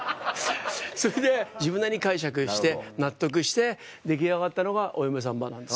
それで自分なりに解釈して納得して出来上がったのが『お嫁サンバ』なんです。